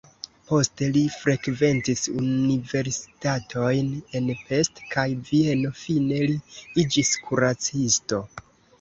Poste li frekventis universitatojn en Pest kaj Vieno, fine li iĝis kuracisto.